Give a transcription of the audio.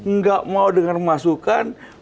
nggak mau dengan masukan